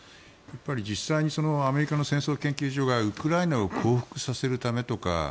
実際にアメリカの戦争研究所がウクライナを降伏させるためとか